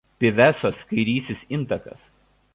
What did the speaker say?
Pyvesos kairysis intakas.